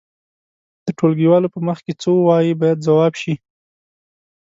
د ټولګيوالو په مخ کې څه ووایئ باید ځواب شي.